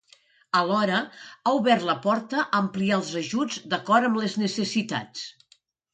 Alhora, ha obert la porta a ampliar els ajuts d’acord amb les necessitats.